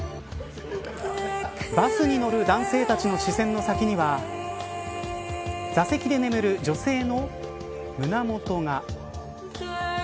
バスに乗る男性たちの視線の先には座席で眠る女性の胸元が。